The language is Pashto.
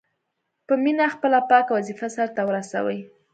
په مینه خپله پاکه وظیفه سرته ورسوي.